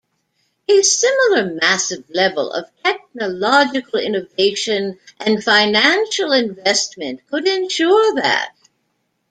A similar massive level of technological innovation and financial investment could ensure that.